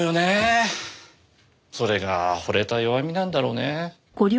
それが惚れた弱みなんだろうね。